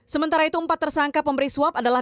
sementara itu empat tersangka pemberi suap adalah